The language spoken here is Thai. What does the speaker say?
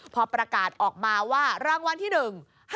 พอประกาศออกมาว่ารางวัลที่หนึ่ง